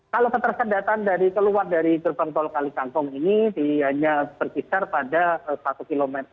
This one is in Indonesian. kalau ketersendatan dari keluar dari gerbang tol kali kangkung ini hanya berkisar pada satu km